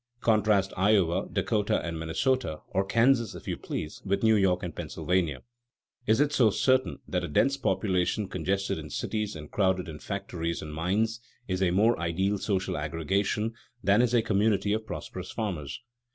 Contrast Iowa, Dakota, and Minnesota, or Kansas, if you please, with New York and Pennsylvania. Is it so certain that a dense population congested in cities and crowded in factories and mines is a more ideal social aggregation than is a community of prosperous farmers?